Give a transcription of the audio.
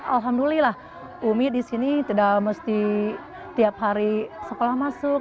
alhamdulillah umi di sini tidak mesti tiap hari sekolah masuk